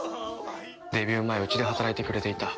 デビュー前うちで働いてくれていた。